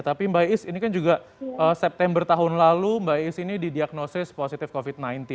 tapi mbak is ini kan juga september tahun lalu mbak is ini didiagnosis positif covid sembilan belas